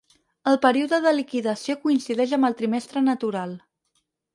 El període de liquidació coincideix amb el trimestre natural.